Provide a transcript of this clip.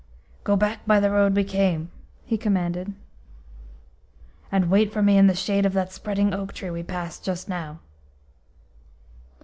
"Go back by the road we came," he commanded, "and wait for me in the shade of that spreading oak tree we passed just now."